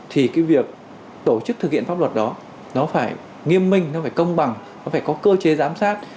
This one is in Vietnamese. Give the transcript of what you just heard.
thì việc tổ chức thực hiện pháp luật đó phải nghiêm minh công bằng có cơ chế giám sát